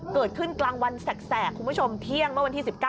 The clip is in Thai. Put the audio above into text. เกิดขึ้นกลางวันแสกคุณผู้ชมเที่ยงเมื่อวันที่๑๙